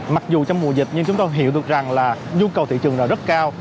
mặc dù trong mùa dịch nhưng chúng tôi hiểu được rằng là nhu cầu thị trường rất cao